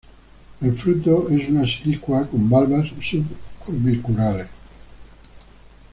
El fruto es una silicua con valvas suborbiculares.